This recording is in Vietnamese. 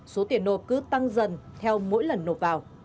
số tiền nộp cứ tăng dần theo mỗi lúc